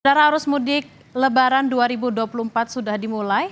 secara arus mudik lebaran dua ribu dua puluh empat sudah dimulai